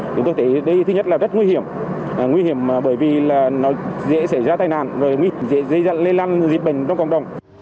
chúng tôi thấy đây thứ nhất là rất nguy hiểm nguy hiểm bởi vì nó dễ xảy ra tai nạn dễ lây lan dịch bệnh trong cộng đồng